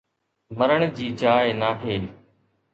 مرڻ جي جاءِ ناهي